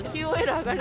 上がる？